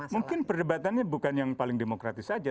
mungkin perdebatannya bukan yang paling demokratis saja